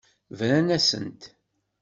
Brant-asent.